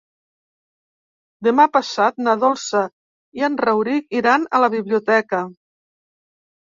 Demà passat na Dolça i en Rauric iran a la biblioteca.